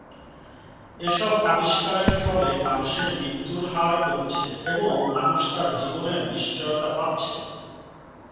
এসব আবিষ্কারের ফলে মানুষের মৃত্যুর হার কমছে এবং মানুষ তার জীবনের নিশ্চয়তা পাচ্ছে।